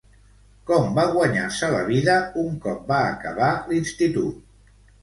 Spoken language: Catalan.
Com va guanyar-se la vida un cop va acabar l'institut?